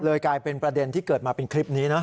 กลายเป็นประเด็นที่เกิดมาเป็นคลิปนี้นะ